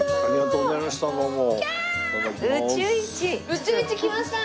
宇宙一きました！